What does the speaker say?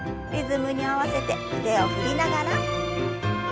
リズムに合わせて腕を振りながら。